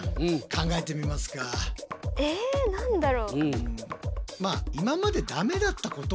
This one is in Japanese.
え何だろう。